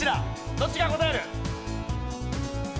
どっちが答える？